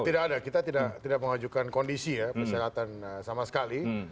tidak ada kita tidak mengajukan kondisi ya persyaratan sama sekali